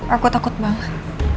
aku takut banget